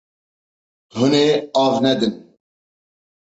Hûn ê av nedin.